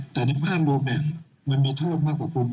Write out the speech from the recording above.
แต่ในภาพรวมเนี่ยมันมีโทษมากกว่าคุณ